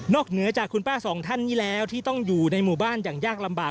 เหนือจากคุณป้าสองท่านนี้แล้วที่ต้องอยู่ในหมู่บ้านอย่างยากลำบาก